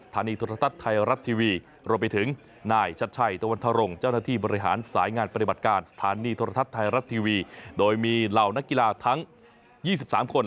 สถานีทรศัตริย์ไทยรัททีวีโดยมีเหล่านักกีฬาทั้ง๒๓คน